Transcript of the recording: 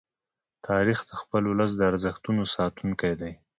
تاریخ د خپل ولس د ارزښتونو ساتونکی دی.